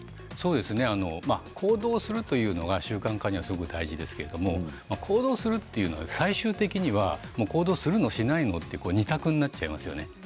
行動するというのが習慣化にはすごく大事ですけれども、行動するというのは最終的には、行動するのしないのという２択になってしまいます。